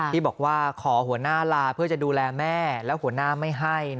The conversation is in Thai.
ที่บอกว่าขอหัวหน้าลาเพื่อจะดูแลแม่แล้วหัวหน้าไม่ให้